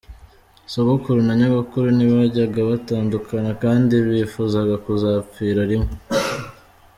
Sogokuru na Nyogokuru ntibajyaga batandukana, kandi bifuzaga kuzapfira rimwe.